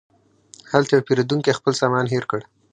هلته یو پیرودونکی خپل سامان هېر کړ.